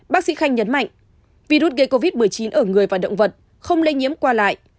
bác sĩ khanh nhấn mạnh virus gây covid một mươi chín ở người và động vật không lây nhiễm qua lại